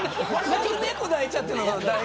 何で猫抱いちゃってるの。